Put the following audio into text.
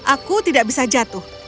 aku tidak bisa jatuh